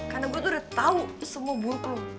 karena gue tuh udah tahu semua buruk lo